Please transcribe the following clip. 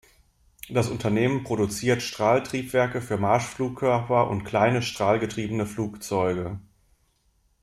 Das Unternehmen produziert Strahltriebwerke für Marschflugkörper und kleine strahlgetriebene Flugzeuge.